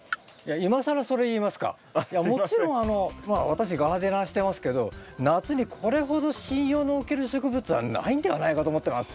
私ガーデナーしてますけど夏にこれほど信用のおける植物はないんではないかと思ってます。